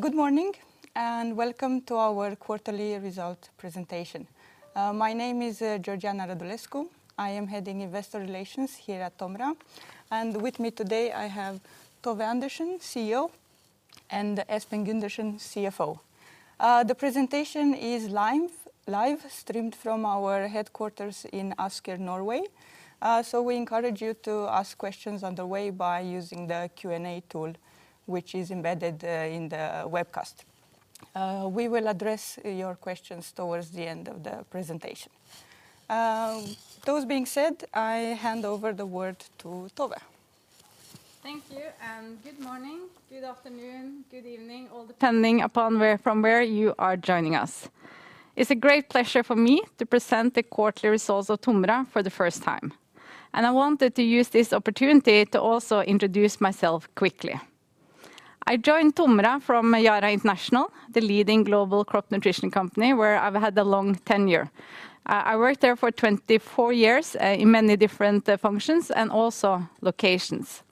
Good morning, and welcome to our quarterly result presentation. My name is Georgiana Radulescu. I am Head of Investor Relations here at TOMRA, and with me today I have Tove Andersen, CEO, and Espen Gundersen, CFO. The presentation is live-streamed from our headquarters in Asker, Norway. We encourage you to ask questions on the way by using the Q&A tool, which is embedded in the webcast. We will address your questions towards the end of the presentation. Those being said, I hand over the word to Tove. Thank you, and good morning, good afternoon, good evening, all depending upon from where you are joining us. It's a great pleasure for me to present the quarterly results of TOMRA for the first time, and I wanted to use this opportunity to also introduce myself quickly. I joined TOMRA from Yara International, the leading global crop nutrition company, where I've had a long tenure. I worked there for 24 years in many different functions and also locations.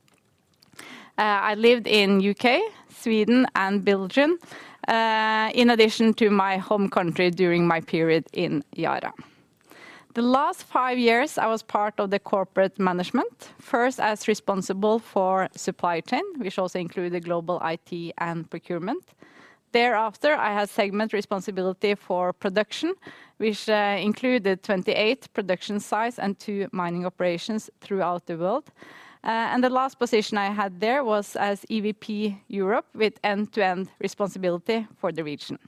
I lived in U.K., Sweden, and Belgium, in addition to my home country during my period in Yara. The last five years, I was part of the corporate management, first as responsible for supply chain, which also included global IT and procurement. Thereafter, I had segment responsibility for production, which included 28 production sites and two mining operations throughout the world. The last position I had there was as EVP Europe with end-to-end responsibility for the region.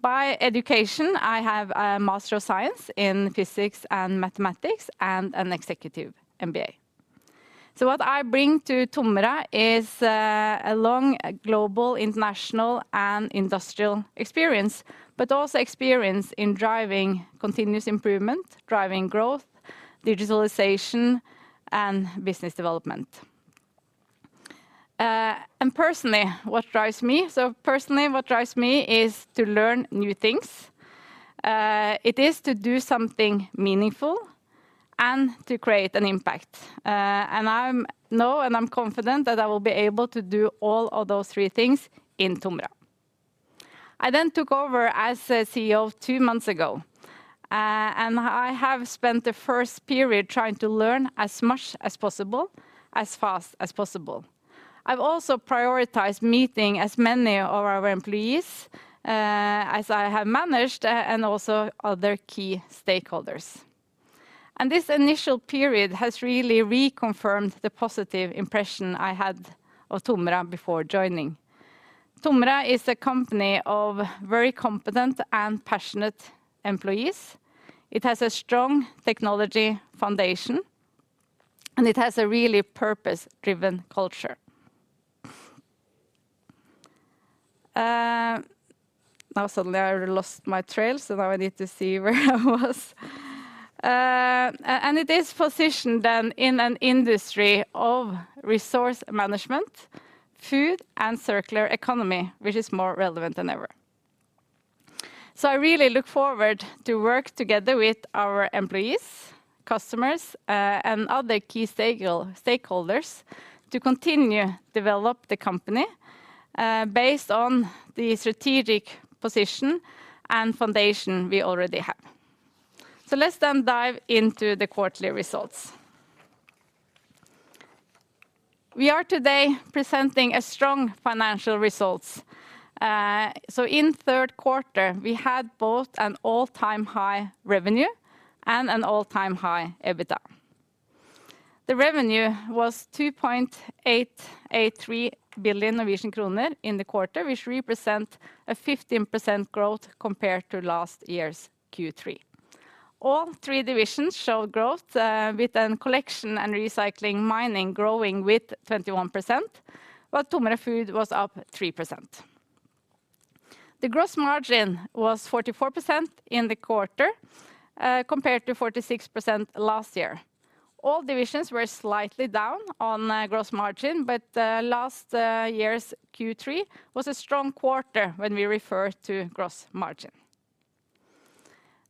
By education, I have a Master of Science in physics and mathematics and an executive MBA. What I bring to TOMRA is a long global, international, and industrial experience, but also experience in driving continuous improvement, driving growth, digitalization, and business development. Personally, what drives me is to learn new things. It is to do something meaningful and to create an impact. I know and I'm confident that I will be able to do all of those three things in TOMRA. I then took over as CEO two months ago, and I have spent the first period trying to learn as much as possible, as fast as possible. I've also prioritized meeting as many of our employees as I have managed and also other key stakeholders. This initial period has really reconfirmed the positive impression I had of TOMRA before joining. TOMRA is a company of very competent and passionate employees. It has a strong technology foundation, and it has a really purpose-driven culture. Suddenly I lost my trail, so now I need to see where I was. It is positioned in an industry of resource management, food, and circular economy, which is more relevant than ever. I really look forward to work together with our employees, customers, and other key stakeholders to continue develop the company based on the strategic position and foundation we already have. Let's then dive into the quarterly results. We are today presenting a strong financial results. In third quarter, we had both an all-time high revenue and an all-time high EBITDA. The revenue was 2.883 billion Norwegian kroner in the quarter, which represent a 15% growth compared to last year's Q3. All three divisions showed growth with Collection and Recycling mining growing with 21%, but TOMRA Food was up 3%. The gross margin was 44% in the quarter compared to 46% last year. All divisions were slightly down on gross margin, but last year's Q3 was a strong quarter when we refer to gross margin.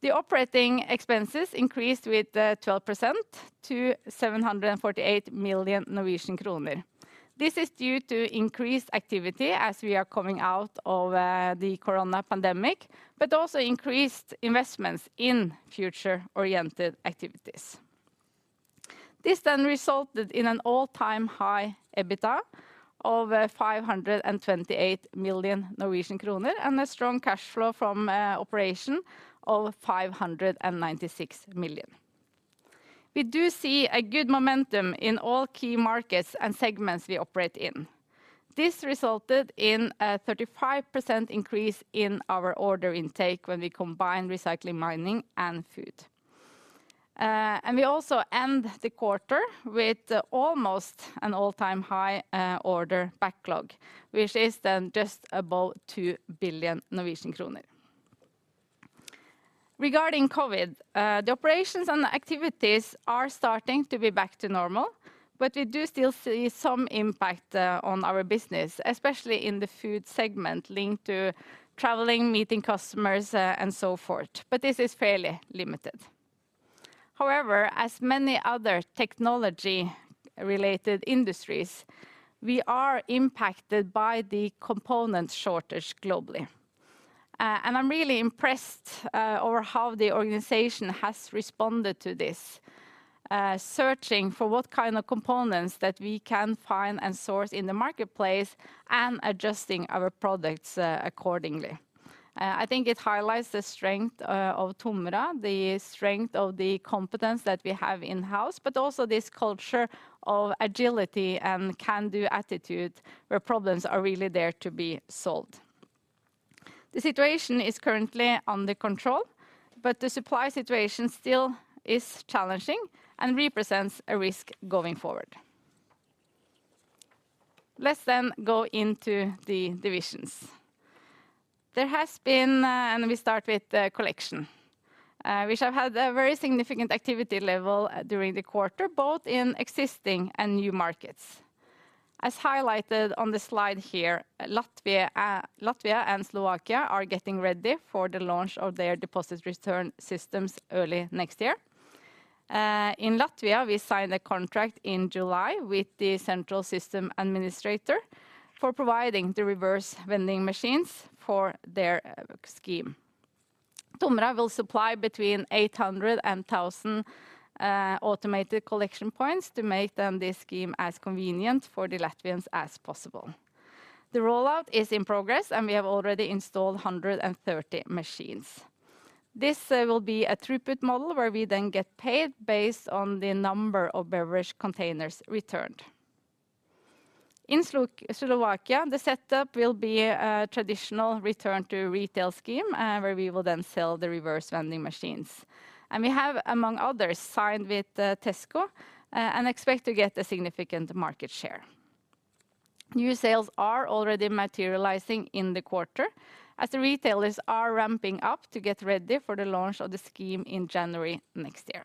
The operating expenses increased with 12% to 748 million Norwegian kroner. This is due to increased activity as we are coming out of the corona pandemic, but also increased investments in future-oriented activities. This resulted in an all-time high EBITDA of 528 million Norwegian kroner and a strong cash flow from operation of 596 million. We do see a good momentum in all key markets and segments we operate in. This resulted in a 35% increase in our order intake when we combine Recycling Mining and Food. We also end the quarter with almost an all-time high order backlog, which is then just above 2 billion Norwegian kroner. Regarding COVID, the operations and activities are starting to be back to normal, but we do still see some impact on our business, especially in the Food segment linked to traveling, meeting customers, and so forth. This is fairly limited. However, as many other technology-related industries, we are impacted by the component shortage globally. I'm really impressed over how the organization has responded to this, searching for what kind of components that we can find and source in the marketplace and adjusting our products accordingly. I think it highlights the strength of TOMRA, the strength of the competence that we have in-house, but also this culture of agility and can-do attitude, where problems are really there to be solved. The situation is currently under control, the supply situation still is challenging and represents a risk going forward. Go into the divisions. We start with the Collection, which have had a very significant activity level during the quarter, both in existing and new markets. As highlighted on the slide here, Latvia and Slovakia are getting ready for the launch of their deposit return systems early next year. In Latvia, we signed a contract in July with the central system administrator for providing the reverse vending machines for their scheme. TOMRA will supply between 800 and 1,000 automated collection points to make them this scheme as convenient for the Latvians as possible. The rollout is in progress, and we have already installed 130 machines. This will be a throughput model where we then get paid based on the number of beverage containers returned. In Slovakia, the setup will be a traditional return-to-retail scheme, where we will then sell the reverse vending machines. We have, among others, signed with Tesco, and expect to get a significant market share. New sales are already materializing in the quarter, as retailers are ramping up to get ready for the launch of the scheme in January next year.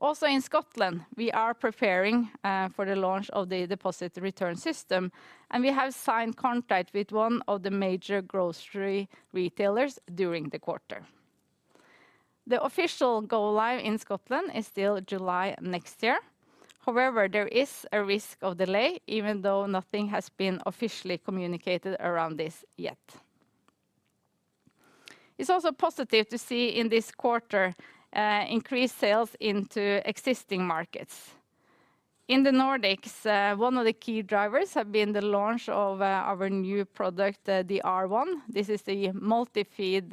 Also in Scotland, we are preparing for the launch of the deposit return system, and we have signed contract with one of the major grocery retailers during the quarter. The official go live in Scotland is still July next year. However, there is a risk of delay, even though nothing has been officially communicated around this yet. It's also positive to see in this quarter increased sales into existing markets. In the Nordics, one of the key drivers have been the launch of our new product, the R1. This is the multi-feed,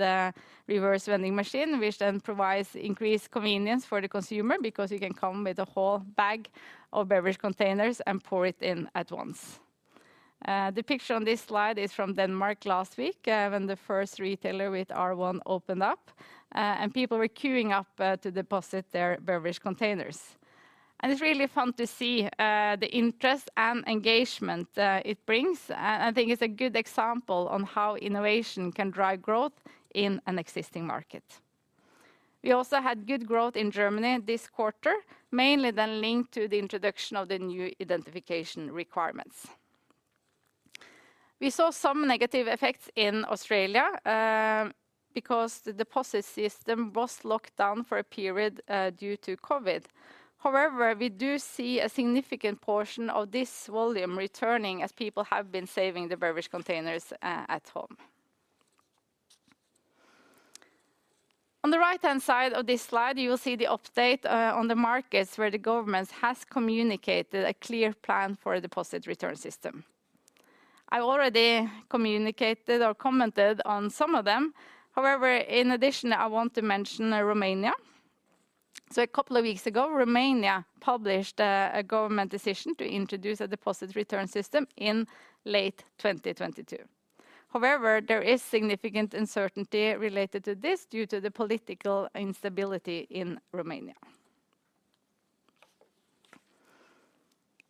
reverse vending machine, which then provides increased convenience for the consumer because you can come with a whole bag of beverage containers and pour it in at once. The picture on this slide is from Denmark last week, when the first retailer with R1 opened up, and people were queuing up to deposit their beverage containers. It's really fun to see the interest and engagement it brings. I think it's a good example on how innovation can drive growth in an existing market. We also had good growth in Germany this quarter, mainly then linked to the introduction of the new identification requirements. We saw some negative effects in Australia, because the deposit system was locked down for a period due to COVID. We do see a significant portion of this volume returning as people have been saving the beverage containers at home. On the right-hand side of this slide, you will see the update on the markets where the government has communicated a clear plan for a deposit return system. I already communicated or commented on some of them. In addition, I want to mention Romania. A couple of weeks ago, Romania published a government decision to introduce a deposit return system in late 2022. There is significant uncertainty related to this due to the political instability in Romania.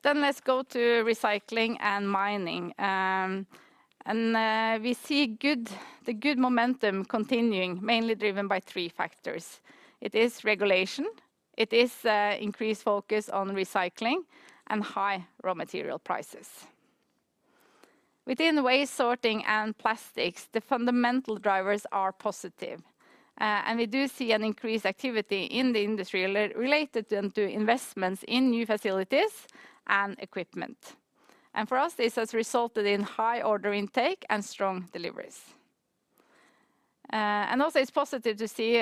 Let's go to recycling and mining. We see the good momentum continuing, mainly driven by three factors: it is regulation, it is increased focus on recycling, and high raw material prices. Within waste sorting and plastics, the fundamental drivers are positive. We do see an increased activity in the industry related then to investments in new facilities and equipment. For us, this has resulted in high order intake and strong deliveries. Also, it's positive to see,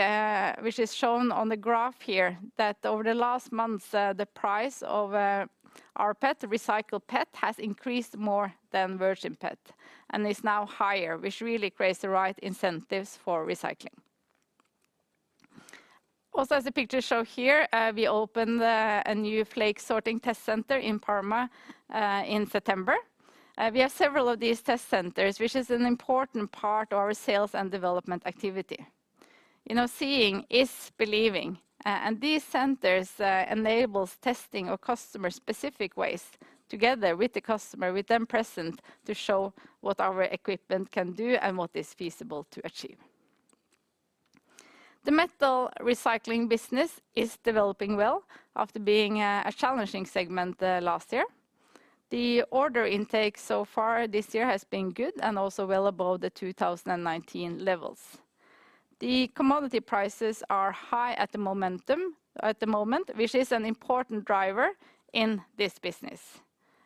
which is shown on the graph here, that over the last months, the price of our recycled PET has increased more than virgin PET and is now higher, which really creates the right incentives for recycling. Also, as the picture show here, we opened a new flake sorting test center in Parma in September. We have several of these test centers, which is an important part of our sales and development activity. Seeing is believing. These centers enables testing of customer-specific waste together with the customer, with them present to show what our equipment can do and what is feasible to achieve. The metal recycling business is developing well after being a challenging segment last year. The order intake so far this year has been good and also well above the 2019 levels. The commodity prices are high at the moment, which is an important driver in this business,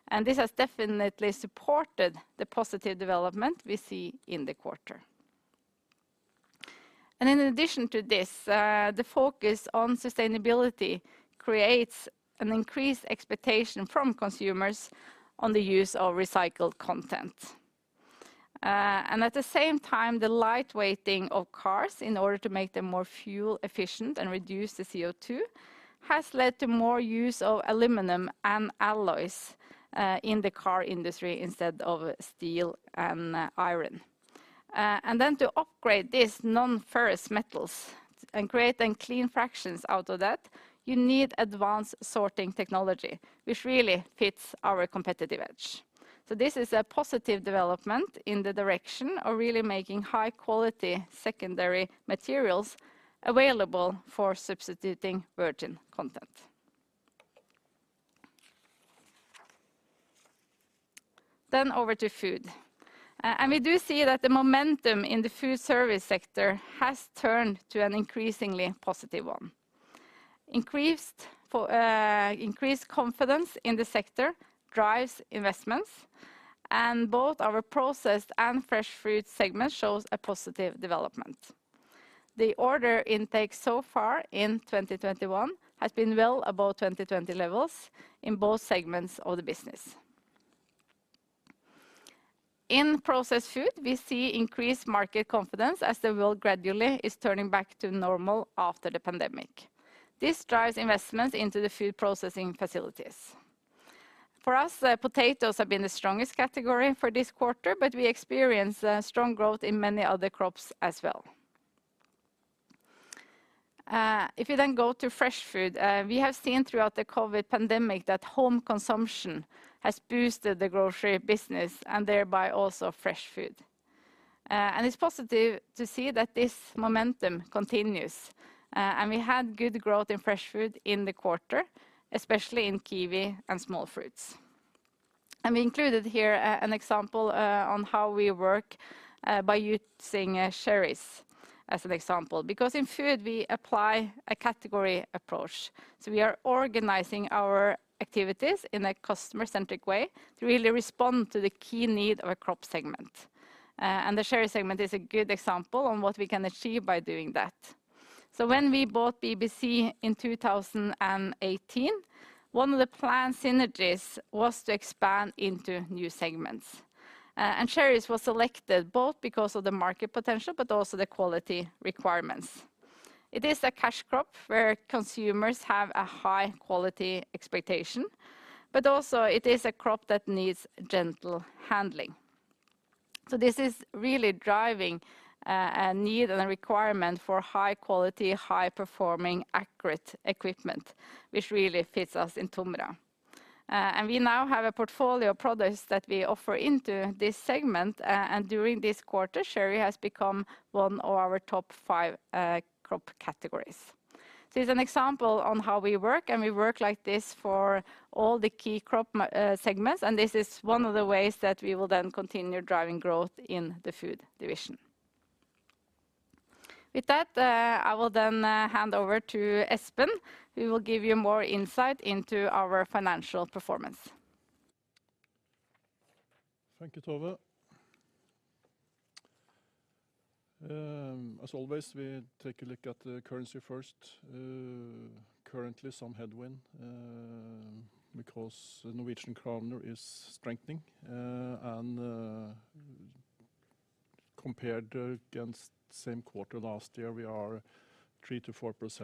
and this has definitely supported the positive development we see in the quarter. In addition to this, the focus on sustainability creates an increased expectation from consumers on the use of recycled content. At the same time, the lightweighting of cars in order to make them more fuel efficient and reduce the CO2, has led to more use of aluminum and alloys in the car industry instead of steel and iron. To upgrade these non-ferrous metals and create clean fractions out of that, you need advanced sorting technology, which really fits our competitive edge. This is a positive development in the direction of really making high quality secondary materials available for substituting virgin content. Over to food. We do see that the momentum in the food service sector has turned to an increasingly positive one. Increased confidence in the sector drives investments, and both our processed and fresh food segment shows a positive development. The order intake so far in 2021 has been well above 2020 levels in both segments of the business. In processed food, we see increased market confidence as the world gradually is turning back to normal after the pandemic. This drives investments into the food processing facilities. For us, potatoes have been the strongest category for this quarter, but we experience strong growth in many other crops as well. If you then go to fresh food, we have seen throughout the COVID pandemic that home consumption has boosted the grocery business, and thereby also fresh food. It's positive to see that this momentum continues. We had good growth in fresh food in the quarter, especially in kiwi and small fruits. We included here an example on how we work by using cherries as an example, because in food we apply a category approach. We are organizing our activities in a customer-centric way to really respond to the key need of a crop segment. The cherry segment is a good example on what we can achieve by doing that. When we bought BBC in 2018, one of the planned synergies was to expand into new segments, and cherries was selected both because of the market potential, but also the quality requirements. It is a cash crop where consumers have a high quality expectation, but also it is a crop that needs gentle handling. This is really driving a need and a requirement for high quality, high performing, accurate equipment, which really fits us in TOMRA. We now have a portfolio of products that we offer into this segment. During this quarter, cherry has become one of our top five crop categories. It is an example on how we work. We work like this for all the key crop segments. This is one of the ways that we will then continue driving growth in the Food division. With that, I will then hand over to Espen, who will give you more insight into our financial performance. Thank you, Tove. As always, we take a look at the currency first. Currently some headwind, because NOK is strengthening. Compared against same quarter last year, we are 3%-4%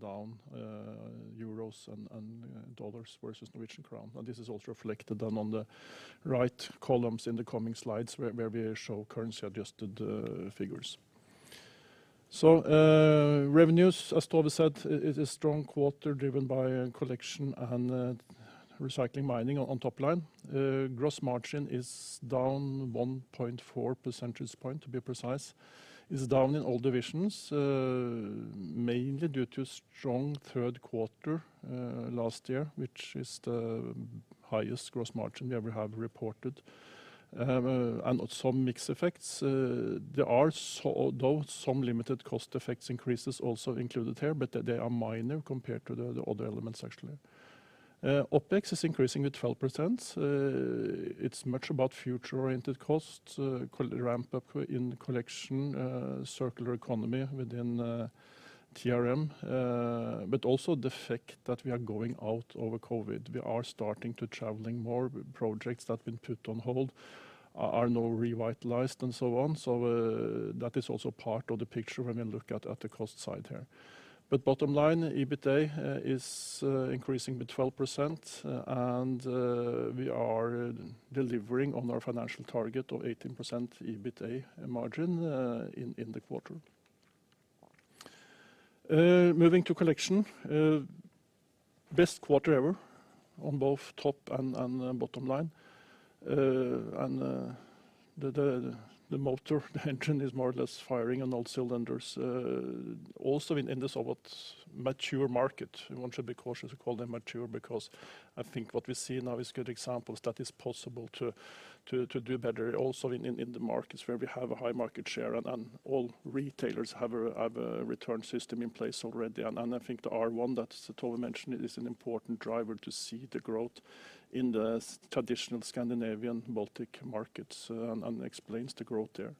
down EUR and USD versus NOK. This is also reflected on the right columns in the coming slides where we show currency-adjusted figures. Revenues, as Tove said, it is a strong quarter driven by Collection and Recycling mining on top line. Gross margin is down 1.4 percentage point, to be precise. It's down in all divisions, mainly due to strong third quarter last year, which is the highest gross margin we ever have reported. Some mix effects. There are though some limited cost effects increases also included here, they are minor compared to the other elements, actually. OpEx is increasing with 12%. It's much about future-oriented costs, ramp up in collection, circular economy within TRM, also the fact that we are going out over COVID. We are starting to traveling more. Projects that have been put on hold are now revitalized and so on. That is also part of the picture when we look at the cost side here. Bottom line, EBITDA is increasing with 12%, and we are delivering on our financial target of 18% EBITDA margin in the quarter. Moving to collection. Best quarter ever on both top and bottom line. The motor, the engine is more or less firing on all cylinders. In the somewhat mature market, one should be cautious to call them mature because I think what we see now is good examples that it is possible to do better also in the markets where we have a high market share and all retailers have a return system in place already. I think the R1 that Tove mentioned is an important driver to see the growth in the traditional Scandinavian Baltic markets and explains the growth there.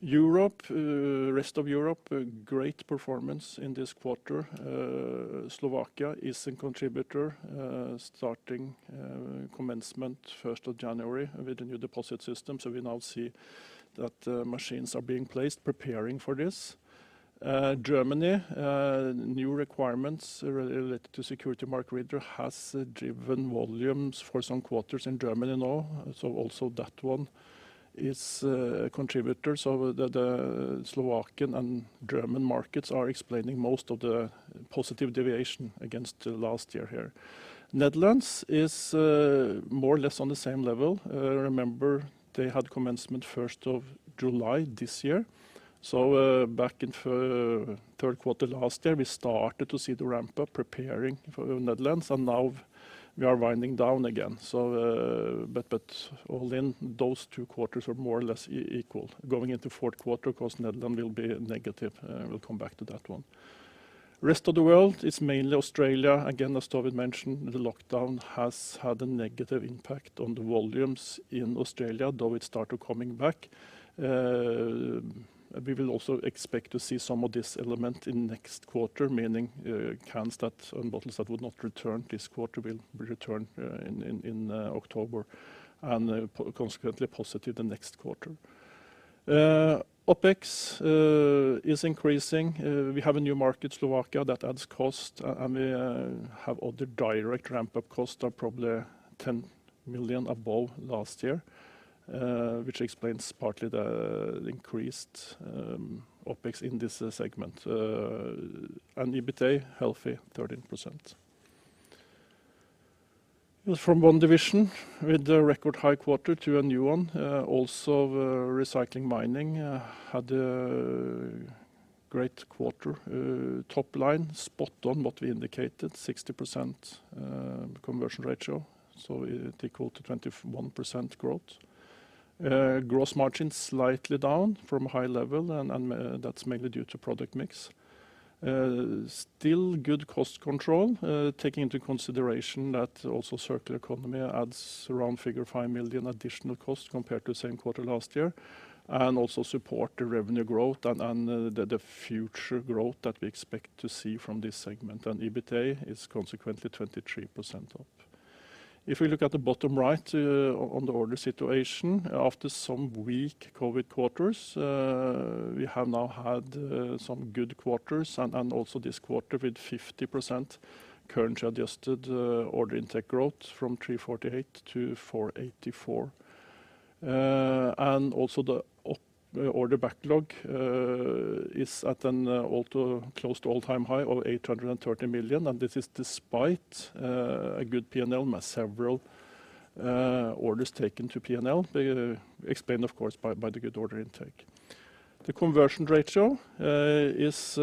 Europe, rest of Europe, great performance in this quarter. Slovakia is a contributor, starting commencement 1st of January with the new deposit system. We now see that machines are being placed preparing for this. Germany, new requirements related to security mark reader has driven volumes for some quarters in Germany now. Also that one is a contributor. The Slovakian and German markets are explaining most of the positive deviation against the last year here. Netherlands is more or less on the same level. Remember, they had commencement 1st of July this year. Back in third quarter last year, we started to see the ramp-up preparing for Netherlands, and now we are winding down again. All in, those two quarters are more or less equal. Going into fourth quarter, of course, Netherlands will be negative. We'll come back to that one. Rest of the world is mainly Australia. Again, as Tove mentioned, the lockdown has had a negative impact on the volumes in Australia, though it started coming back. We will also expect to see some of this element in next quarter, meaning, cans and bottles that would not return this quarter will return in October, and consequently positive the next quarter. OpEx is increasing. We have a new market, Slovakia, that adds cost, and we have other direct ramp-up cost of probably 10 million above last year, which explains partly the increased OpEx in this segment. EBITDA, healthy 13%. From one division with a record high quarter to a new one. Recycling Mining had a great quarter. Top line, spot on what we indicated, 60% conversion ratio, so equal to 21% growth. Gross margin slightly down from a high level, and that's mainly due to product mix. Still good cost control, taking into consideration that also circular economy adds around figure 5 million additional cost compared to the same quarter last year, and also support the revenue growth and the future growth that we expect to see from this segment. EBITDA is consequently 23% up. If we look at the bottom right on the order situation, after some weak COVID quarters, we have now had some good quarters, also this quarter with 50% currency-adjusted order intake growth from 348 million-484 million. Also the order backlog is at an close to all-time high of 830 million, this is despite a good P&L, several orders taken to P&L, explained of course by the good order intake. The conversion ratio is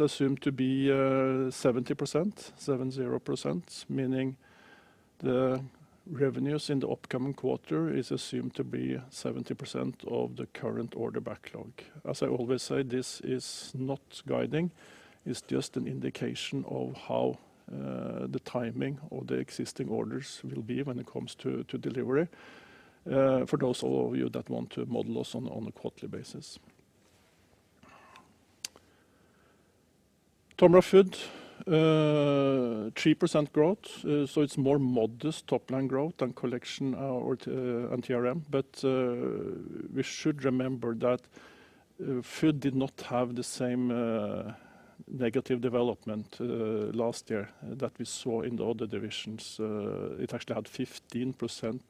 assumed to be 70%, meaning the revenues in the upcoming quarter is assumed to be 70% of the current order backlog. As I always say, this is not guiding. It's just an indication of how the timing of the existing orders will be when it comes to delivery, for those of you that want to model us on a quarterly basis. TOMRA Food, 3% growth. It's more modest top-line growth than Collection or TRM. We should remember that Food did not have the same negative development last year that we saw in the other divisions. It actually had 15%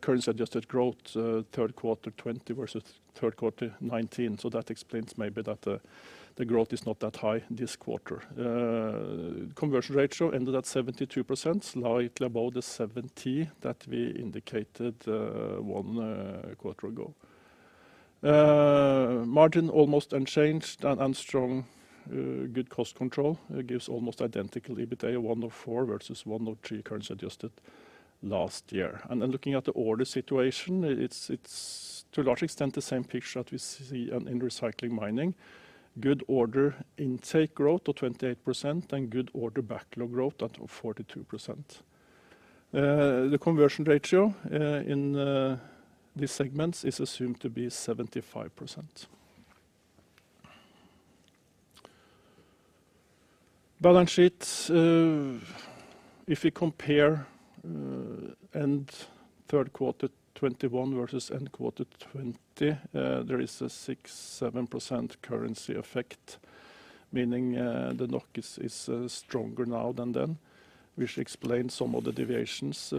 currency-adjusted growth third quarter 2020 versus third quarter 2019. That explains maybe that the growth is not that high this quarter. Conversion ratio ended at 72%, slightly above the 70 that we indicated one quarter ago. Margin almost unchanged and strong good cost control gives almost identical EBITDA, 104 versus 103 currency adjusted last year. Looking at the order situation, it's to a large extent the same picture that we see in Recycling Mining. Good order intake growth of 28% and good order backlog growth at 42%. The conversion ratio in these segments is assumed to be 75%. Balance sheets. If we compare end third quarter 2021 versus end quarter 2020, there is a 6%-7% currency effect, meaning the NOK is stronger now than then, which explains some of the deviations.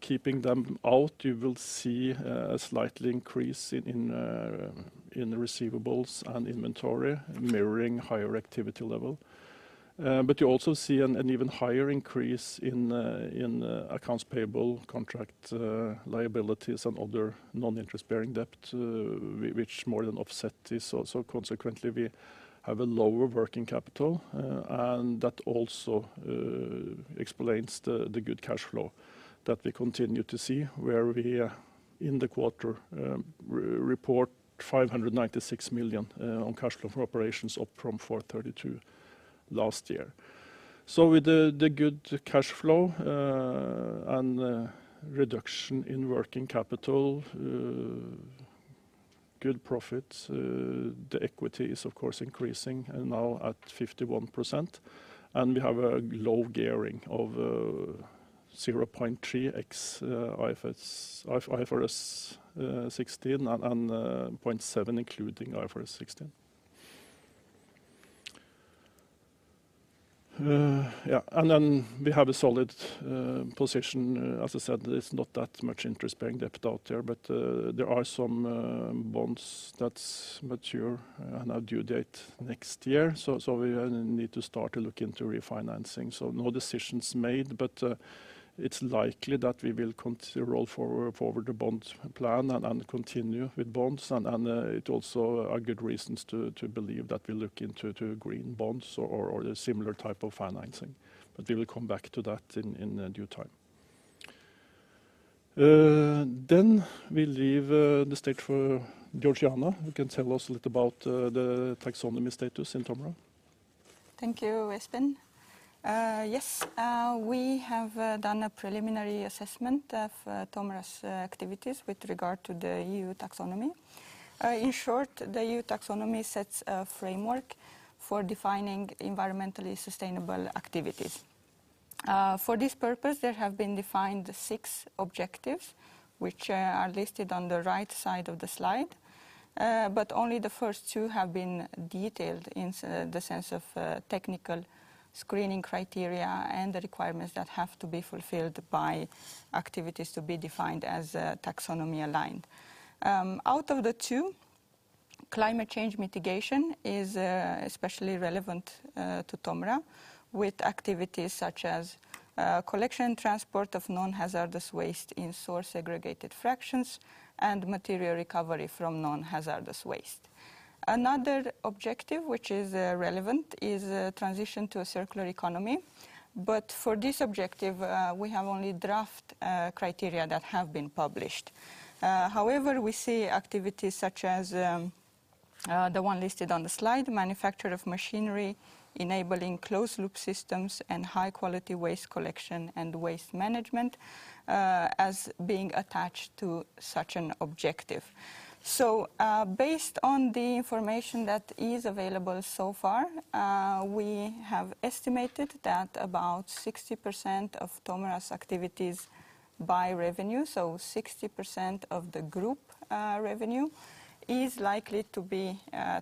Keeping them out, you will see a slight increase in receivables and inventory mirroring higher activity level. But you also see an even higher increase in accounts payable, contract liabilities, and other non-interest-bearing debt, which more than offset this. Consequently, we have a lower working capital. That also explains the good cash flow that we continue to see where we, in the quarter, report 596 million on cash flow from operations, up from 432 million last year. With the good cash flow and the reduction in working capital, good profits, the equity is of course increasing and now at 51%. We have a low gearing of 0.3x IFRS 16 and 0.7x including IFRS 16. We have a solid position. As I said, there's not that much interest-bearing debt out there, but there are some bonds that's mature and are due date next year. We need to start to look into refinancing. No decisions made, but it's likely that we will roll forward the bond plan and continue with bonds and it also a good reasons to believe that we'll look into green bonds or a similar type of financing. We will come back to that in due time. We leave the stage for Georgiana, who can tell us a little about the taxonomy status in TOMRA. Thank you, Espen. Yes. We have done a preliminary assessment of TOMRA's activities with regard to the EU taxonomy. In short, the EU taxonomy sets a framework for defining environmentally sustainable activities. For this purpose, there have been defined six objectives, which are listed on the right side of the slide. Only the first two have been detailed in the sense of technical screening criteria and the requirements that have to be fulfilled by activities to be defined as taxonomy aligned. Out of the two, climate change mitigation is especially relevant to TOMRA, with activities such as collection, transport of non-hazardous waste in source segregated fractions, and material recovery from non-hazardous waste. Another objective which is relevant is transition to a circular economy. For this objective, we have only draft criteria that have been published. We see activities such as the one listed on the slide, manufacture of machinery, enabling closed-loop systems and high-quality waste collection and waste management, as being attached to such an objective. Based on the information that is available so far, we have estimated that about 60% of TOMRA's activities by revenue, 60% of the group revenue, is likely to be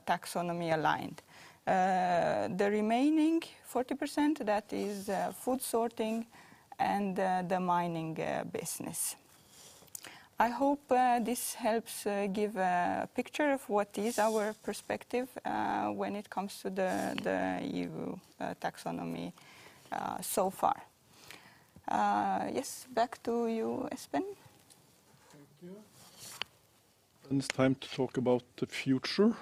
taxonomy aligned. The remaining 40%, that is food sorting and the mining business. I hope this helps give a picture of what is our perspective when it comes to the EU taxonomy so far. Yes, back to you, Espen. Thank you. It's time to talk about the future.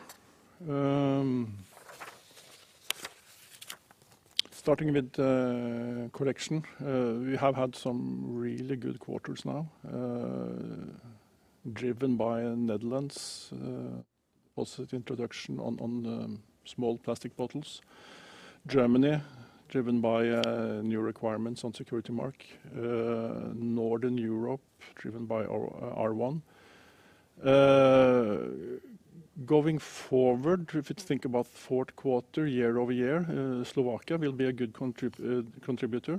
Starting with collection. We have had some really good quarters now, driven by Netherlands' deposit introduction on small plastic bottles. Germany, driven by new requirements on security mark. Northern Europe, driven by R1. Going forward, if you think about fourth quarter year-over-year, Slovakia will be a good contributor,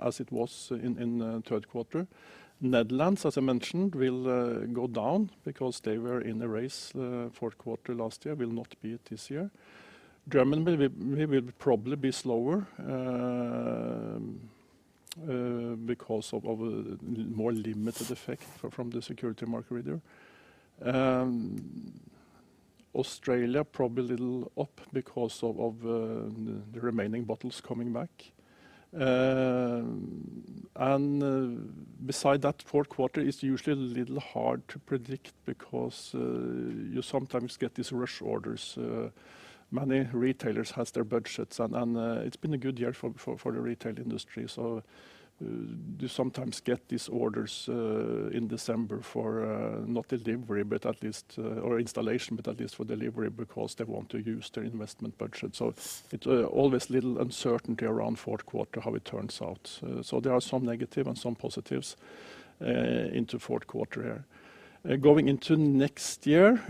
as it was in third quarter. Netherlands, as I mentioned, will go down because they were in a raise fourth quarter last year, will not be it this year. Germany will probably be slower because of a more limited effect from the security mark over there. Australia probably a little up because of the remaining bottles coming back. Beside that, fourth quarter is usually a little hard to predict because you sometimes get these rush orders. Many retailers has their budgets, and it's been a good year for the retail industry, so you sometimes get these orders in December for not delivery but at least or installation, but at least for delivery because they want to use their investment budget. It's always a little uncertainty around fourth quarter, how it turns out. There are some negative and some positives into fourth quarter here. Going into next year,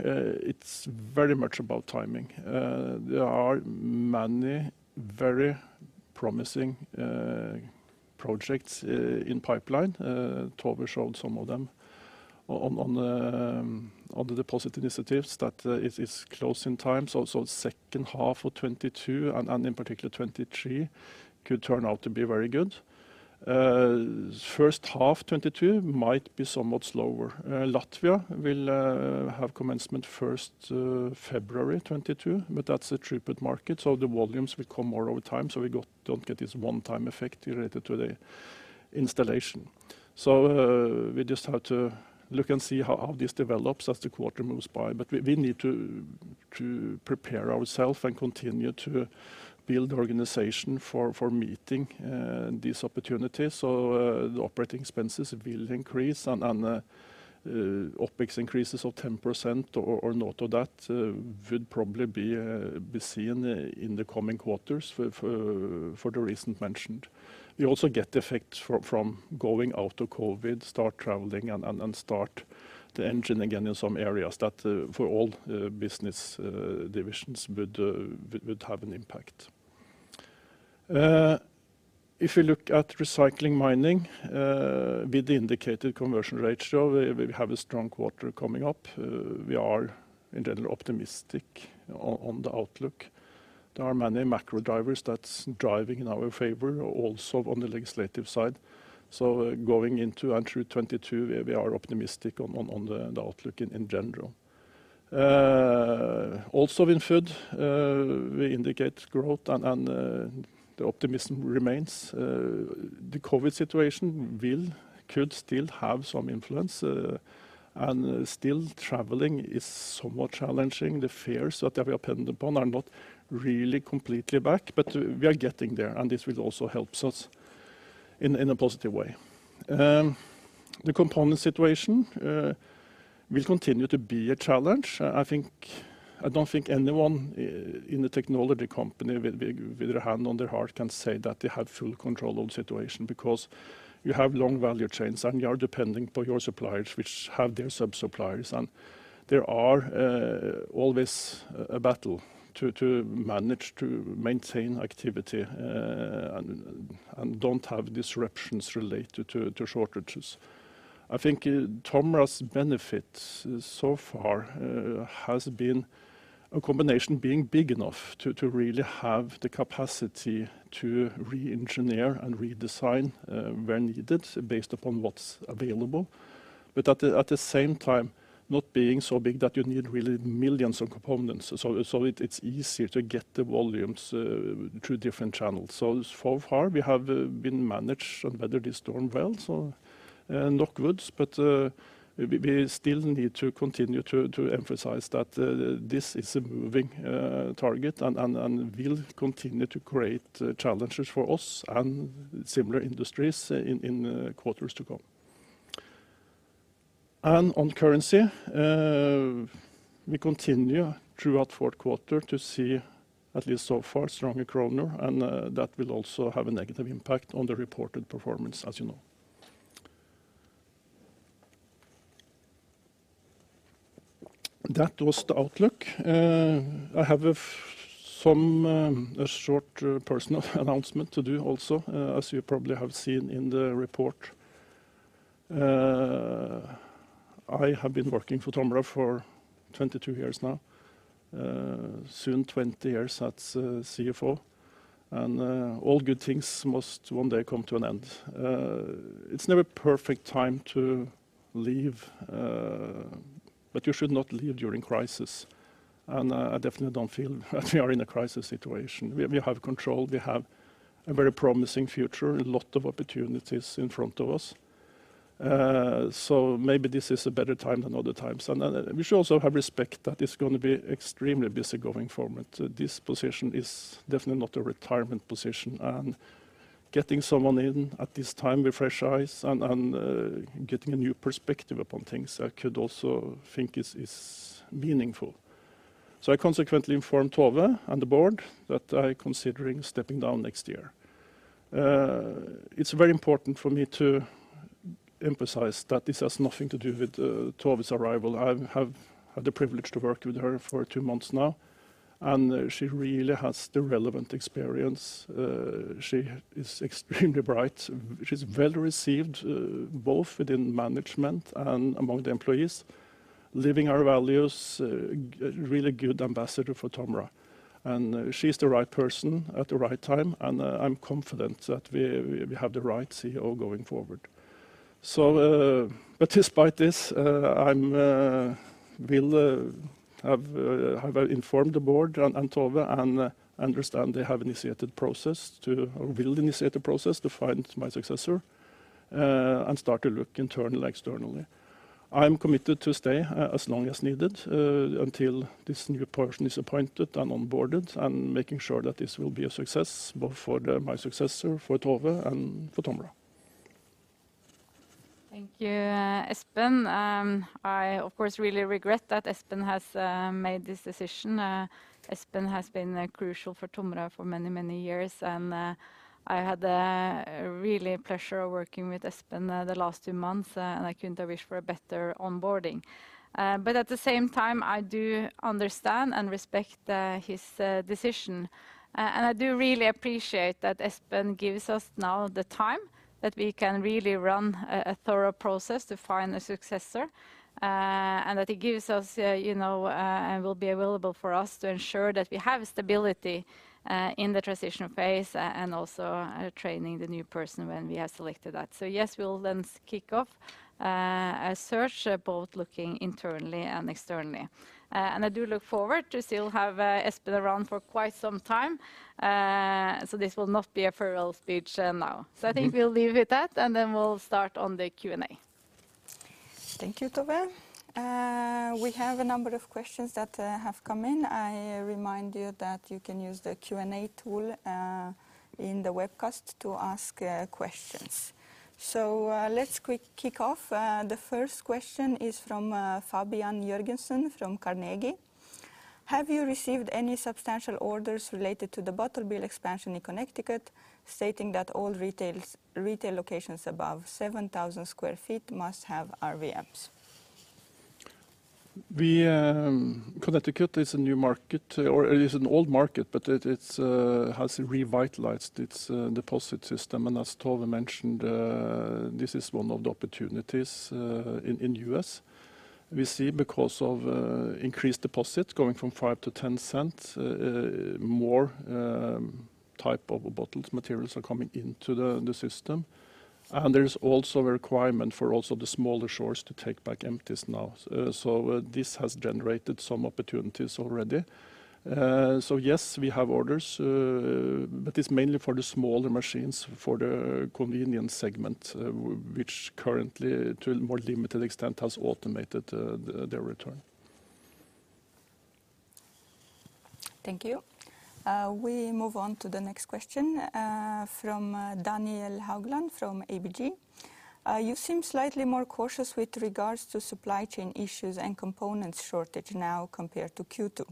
it's very much about timing. There are many very promising projects in pipeline. Tove showed some of them on the deposit initiatives that it is close in time, so second half of 2022 and in particular 2023 could turn out to be very good. First half 2022 might be somewhat slower. Latvia will have commencement 1st February, 2022, but that's a throughput market, so the volumes will come more over time. We don't get this one-time effect related to the installation. We just have to look and see how this develops as the quarter moves by. We need to prepare ourself and continue to build the organization for meeting these opportunities. The operating expenses will increase, and OpEx increases of 10% or not of that would probably be seen in the coming quarters for the reason mentioned. We also get effects from going out of COVID, start traveling, and start the engine again in some areas that for all business divisions would have an impact. If you look at Recycling Mining, with the indicated conversion rates, we have a strong quarter coming up. We are, in general, optimistic on the outlook. There are many macro drivers that's driving in our favor also on the legislative side. Going into and through 2022, we are optimistic on the outlook in general. In Food, we indicate growth and the optimism remains. The COVID situation could still have some influence, and still traveling is somewhat challenging. The fares that we are dependent upon are not really completely back, but we are getting there, and this will also help us in a positive way. The component situation will continue to be a challenge. I don't think anyone in the technology company with their hand on their heart can say that they have full control of the situation because you have long value chains, and you are depending upon your suppliers, which have their sub-suppliers. There are always a battle to manage to maintain activity, and don't have disruptions related to shortages. I think TOMRA's benefit so far has been a combination of being big enough to really have the capacity to re-engineer and redesign where needed based upon what's available. At the same time, not being so big that you need really millions of components. It's easier to get the volumes through different channels. So far we have been managed and weathered the storm well, so knock wood, but we still need to continue to emphasize that this is a moving target and will continue to create challenges for us and similar industries in quarters to come. On currency, we continue throughout fourth quarter to see, at least so far, stronger kroner, and that will also have a negative impact on the reported performance, as you know. That was the outlook. I have a short personal announcement to do also, as you probably have seen in the report. I have been working for TOMRA for 22 years now. Soon 20 years as CFO. All good things must one day come to an end. It's never perfect time to leave, you should not leave during crisis. I definitely don't feel that we are in a crisis situation. We have control, we have a very promising future, a lot of opportunities in front of us. Maybe this is a better time than other times. We should also have respect that it's going to be extremely busy going forward. This position is definitely not a retirement position, getting someone in at this time with fresh eyes and getting a new perspective upon things, I could also think is meaningful. I consequently informed Tove and the board that I'm considering stepping down next year. It's very important for me to emphasize that this has nothing to do with Tove’s arrival. I have had the privilege to work with her for two months now, and she really has the relevant experience. She is extremely bright. She’s well-received, both within management and among the employees, living our values, a really good ambassador for TOMRA. She’s the right person at the right time, and I’m confident that we have the right CEO going forward. Despite this, I have informed the board and Tove and understand they will initiate a process to find my successor, and start to look internal, externally. I’m committed to stay as long as needed until this new person is appointed and onboarded, and making sure that this will be a success both for my successor, for Tove, and for TOMRA. Thank you, Espen. I, of course, really regret that Espen has made this decision. Espen has been crucial for TOMRA for many, many years, and I had really a pleasure working with Espen the last two months, and I couldn't have wished for a better onboarding. At the same time, I do understand and respect his decision. I do really appreciate that Espen gives us now the time that we can really run a thorough process to find a successor. That he gives us, and will be available for us to ensure that we have stability in the transition phase and also training the new person when we have selected that. Yes, we'll then kick off a search, both looking internally and externally. I do look forward to still have Espen around for quite some time. This will not be a farewell speech now. I think we'll leave it at, and then we'll start on the Q&A. Thank you, Tove. We have a number of questions that have come in. I remind you that you can use the Q&A tool in the webcast to ask questions. Let's quick kick off. The first question is from Fabian Jørgensen from Carnegie. Have you received any substantial orders related to the bottle bill expansion in Connecticut, stating that all retail locations above 7,000 sq ft must have RVMs? Connecticut is a new market, or it is an old market, but it has revitalized its deposit system. As Tove mentioned, this is one of the opportunities in U.S. we see because of increased deposits going from $0.05 to $0.10, more type of bottles, materials are coming into the system. There is also a requirement for also the smaller stores to take back empties now. This has generated some opportunities already. Yes, we have orders, but it's mainly for the smaller machines, for the convenience segment, which currently, to a more limited extent, has automated their return. Thank you. We move on to the next question from Daniel Haugland from ABG. You seem slightly more cautious with regards to supply chain issues and components shortage now compared to Q2.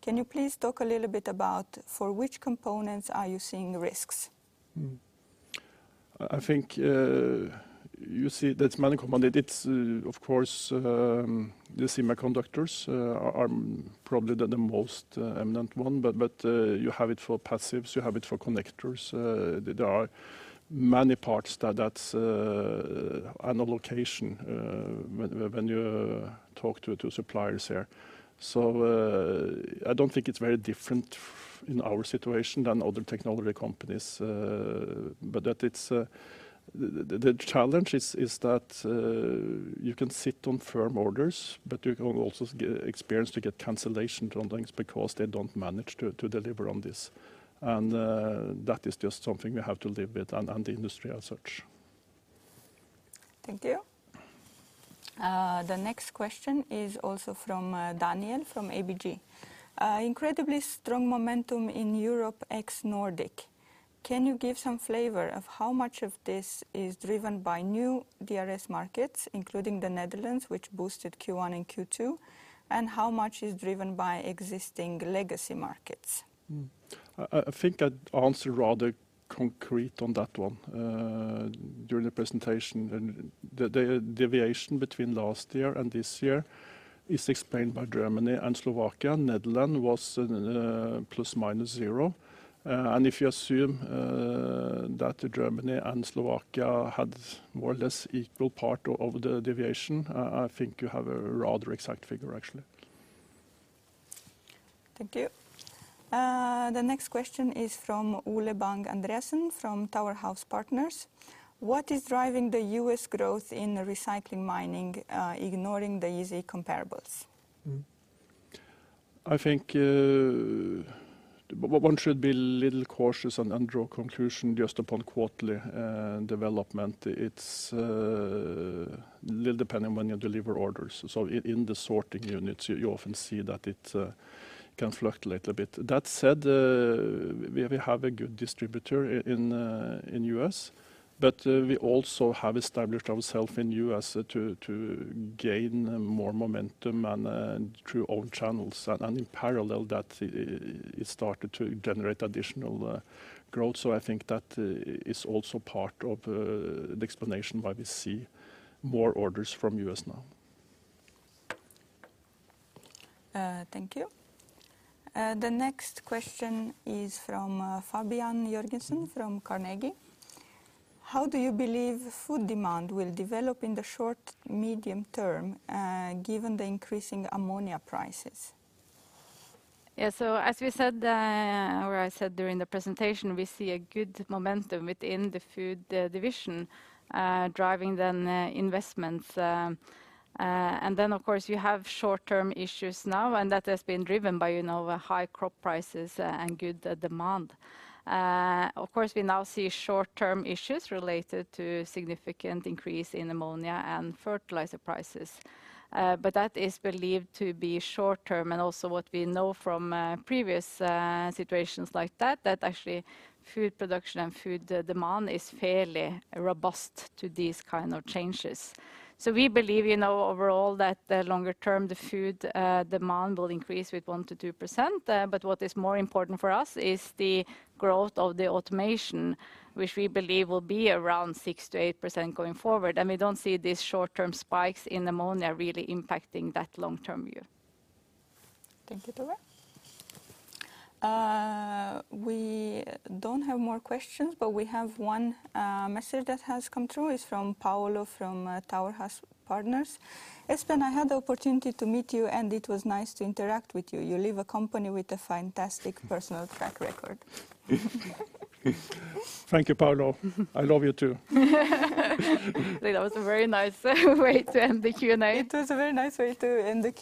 Can you please talk a little bit about for which components are you seeing risks? I think you see that many components, it's, of course, the semiconductors are probably the most eminent one, but you have it for passives, you have it for connectors. There are many parts that are on allocation, when you talk to suppliers here. I don't think it's very different in our situation than other technology companies. The challenge is that you can sit on firm orders, but you can also experience to get cancellations on things because they don't manage to deliver on this. That is just something we have to live with and the industry as such. Thank you. The next question is also from Daniel from ABG. Incredibly strong momentum in Europe ex-Nordic. Can you give some flavor of how much of this is driven by new DRS markets, including the Netherlands, which boosted Q1 and Q2, and how much is driven by existing legacy markets? I think I answered rather concrete on that one during the presentation. The deviation between last year and this year is explained by Germany and Slovakia. Netherlands was plus-minus zero. If you assume that Germany and Slovakia had more or less equal part of the deviation, I think you have a rather exact figure, actually. Thank you. The next question is from Ole Bang-Andreasen from Tower House Partners. What is driving the U.S. growth in recycling mining, ignoring the easy comparables? I think one should be a little cautious and draw conclusion just upon quarterly development. It's little dependent when you deliver orders. In the sorting units, you often see that it can fluctuate a bit. That said, we have a good distributor in U.S., but we also have established ourself in U.S. to gain more momentum and through own channels, and in parallel that it started to generate additional growth. I think that is also part of the explanation why we see more orders from U.S. now. Thank you. The next question is from Fabian Jørgensen from Carnegie. How do you believe food demand will develop in the short, medium term given the increasing ammonia prices? Yeah, as we said, or I said during the presentation, we see a good momentum within the Food division, driving then investments. Of course, you have short-term issues now, and that has been driven by high crop prices and good demand. Of course, we now see short-term issues related to significant increase in ammonia and fertilizer prices. That is believed to be short-term and also what we know from previous situations like that actually food production and food demand is fairly robust to these kind of changes. We believe, overall that the longer term, the food demand will increase with 1%-2%. What is more important for us is the growth of the automation, which we believe will be around 6%-8% going forward. We don't see these short-term spikes in ammonia really impacting that long-term view. Thank you, Tove. We don't have more questions. We have one message that has come through. It's from Paolo from Tower House Partners. "Espen, I had the opportunity to meet you, and it was nice to interact with you. You lead a company with a fantastic personal track record." Thank you, Paolo. I love you too. That was a very nice way to end the Q&A. It was a very nice way to end the Q&A.